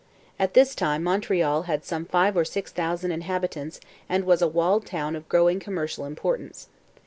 ] At this time Montreal had some five or six thousand inhabitants and was a walled town of growing commercial importance.